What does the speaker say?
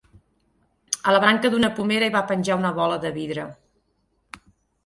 A la branca d'una pomera hi va penjar una bola de vidre